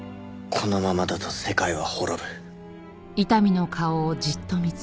このままだと世界は滅ぶ。